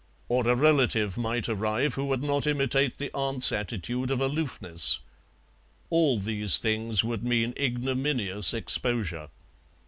Or a relative might arrive who would not imitate the aunt's attitude of aloofness. All these things would mean ignominious exposure.